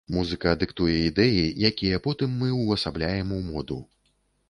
Музыка дыктуе ідэі, якія потым мы ўвасабляем у моду.